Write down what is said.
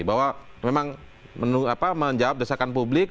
bahwa memang menjawab desakan publik